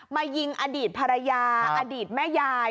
มายิงอดีตภรรยาอดีตแม่ยาย